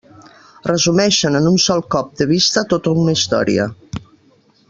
Resumeixen en un sol colp de vista tota una història.